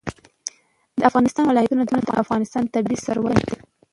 د افغانستان ولايتونه د افغانستان طبعي ثروت دی.